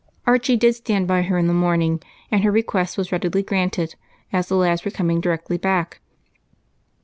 Archie did stand by her in the morning, and her request was readily granted, as the lads were coming directly back.